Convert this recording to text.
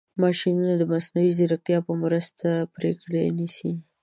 ماشینونه د مصنوعي ځیرکتیا په مرسته پرېکړې نیسي.